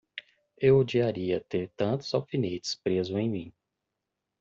Eu odiaria ter tantos alfinetes presos em mim!